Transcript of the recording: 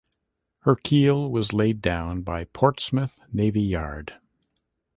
Her keel was laid down by Portsmouth Navy Yard.